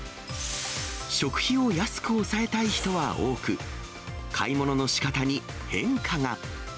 食費を安く抑えたい人は多く、買い物のしかたに変化が。